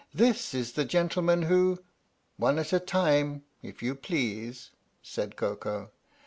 " This is the gentle man who "" One at a time, if you please," said Koko.